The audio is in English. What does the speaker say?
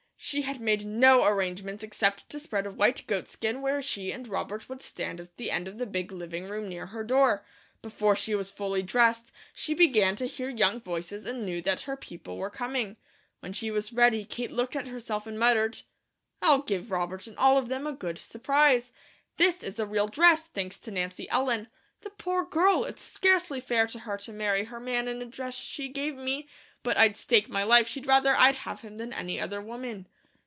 She had made no arrangements except to spread a white goatskin where she and Robert would stand at the end of the big living room near her door. Before she was fully dressed she began to hear young voices and knew that her people were coming. When she was ready Kate looked at herself and muttered: "I'll give Robert and all of them a good surprise. This is a real dress, thanks to Nancy Ellen. The poor girl! It's scarcely fair to her to marry her man in a dress she gave me; but I'd stake my life she'd rather I'd have him than any other woman."